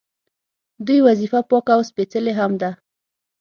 دوی وظیفه پاکه او سپیڅلې هم ده.